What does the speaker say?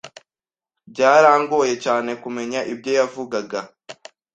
Byarangoye cyane kumenya ibyo yavugaga.